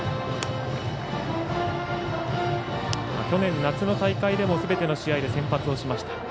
去年夏の試合でもすべての試合で先発をしました。